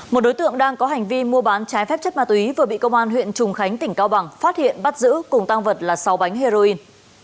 một đối tượng đang có hành vi mua bán trái phép chất ma túy vừa bị công an huyện trùng khánh tỉnh cao bằng phát hiện bắt giữ cùng tăng vật là sáu bánh heroin